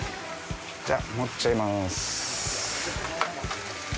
じゃ盛っちゃいます。